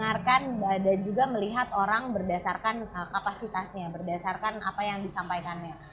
tapi tetap bisa mendengarkan dan juga melihat orang berdasarkan kapasitasnya berdasarkan apa yang disampaikannya